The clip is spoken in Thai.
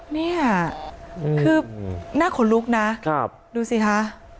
นี่คือหน้าขนลุกนะดูสิคะ